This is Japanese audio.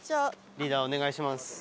リーダーお願いします。